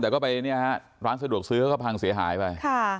สะดวกซื้อแล้วก็พังเสียหายไป